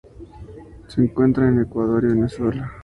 Se encuentra en Ecuador y Venezuela.